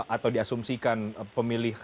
atau diasumsikan pemilih